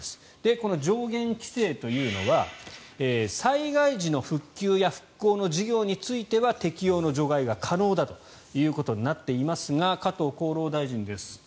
この上限規制というのは災害時の復旧や復興の事業については適用の除外が可能だということになっていますが加藤厚労大臣です